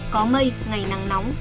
có mây ngày nắng nóng